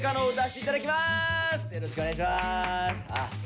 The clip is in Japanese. よろしくお願いします！